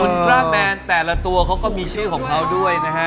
คูนต้าแมนแบบนั้นแต่ละตัวเค้าก็มีชื่อของเค้าด้วยนะฮะ